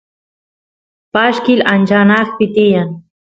pashkil ancha anaqpi tiyan